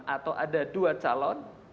atau ada dua calon